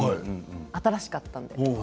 新しかったんで。